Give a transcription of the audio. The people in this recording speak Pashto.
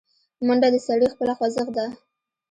منډه د سړي خپله خوځښت ده